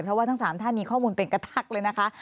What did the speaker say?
เพราะว่าทั้ง๓ท่านมีข้อมูลเป็นกระทักเลยนะคะ